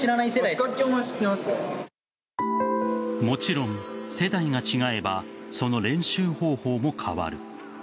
もちろん、世代が違えばその練習方法も変わる。